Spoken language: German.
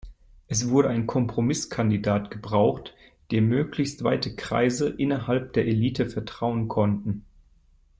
Es wurde ein Kompromisskandidat gebraucht, dem möglichst weite Kreise innerhalb der Elite vertrauen konnten.